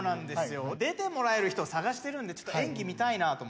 出てもらえる人を探してるんでちょっと演技見たいなと思って。